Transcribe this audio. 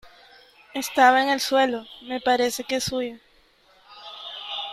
estaba en el suelo . me parece que es suyo .